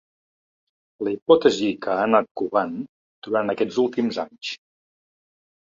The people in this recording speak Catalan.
La hipòtesi que ha anat covant durant aquests últims anys.